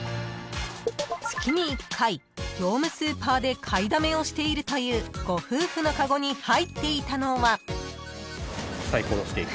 ［月に１回業務スーパーで買いだめをしているというご夫婦のカゴに入っていたのは］